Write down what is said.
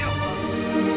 jahat kamu cokok